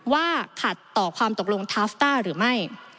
ว่าขัดต่อความตกลงทาฟต้าหรือไม่